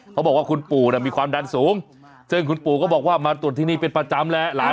เขาบอกว่าคุณปู่มีความดันสูงซึ่งคุณปู่ก็บอกว่ามาตรวจที่นี่เป็นประจำแหละ